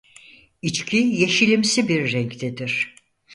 İçki yeşilimsi bir renktedir.